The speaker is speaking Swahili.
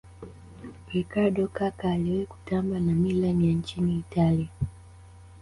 ricardo kaka aliwahi kutamba na milan ya nchini italia